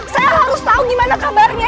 saya harus tahu gimana kabarnya